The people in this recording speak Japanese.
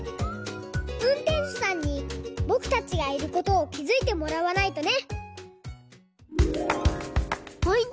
うんてんしゅさんにぼくたちがいることをきづいてもらわないとね！